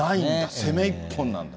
攻め一本なんだ。